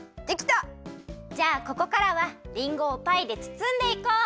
じゃあここからはりんごをパイでつつんでいこう！